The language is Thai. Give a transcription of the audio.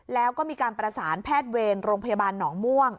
แล้วก็มีการประสานแพทย์เวรโรงพยาบาลหนองม่วง